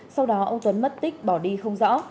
sau đó ông tuấn mất tích bỏ đi không rõ